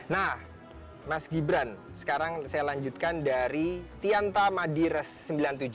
nah mas gibran sekarang saya lanjutkan dari tianta madires sembilan puluh tujuh